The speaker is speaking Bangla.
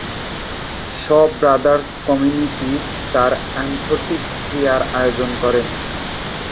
শ ব্রাদার্স কমিটি তার অন্ত্যেষ্টিক্রিয়ার আয়োজন করে।